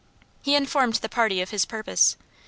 He informed the party of his purpose.